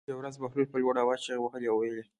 یوه ورځ بهلول په لوړ آواز چغې وهلې او ویلې یې.